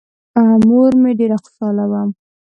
مور مې ډېره خوشحاله وه.